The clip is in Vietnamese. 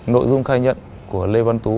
nội dung khai nhận của lê văn tú